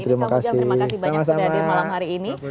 terima kasih banyak banyak yang sudah ada di malam hari ini